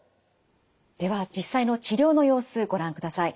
では実際の治療の様子ご覧ください。